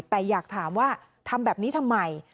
แต่อยากถามว่าทำแบบนี้ทำไม